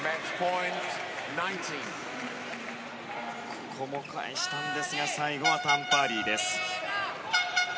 ここも返したんですが最後はタン・パーリーでした。